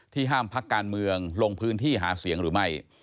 ห้ามพักการเมืองลงพื้นที่หาเสียงหรือไม่